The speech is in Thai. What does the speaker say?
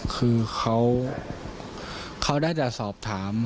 คือเขาได้แต่สอบถาม